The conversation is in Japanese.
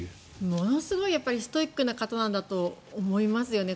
ものすごいストイックな方なんだと思いますよね。